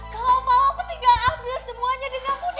kalau mau aku tinggal ambil semuanya dengan mudah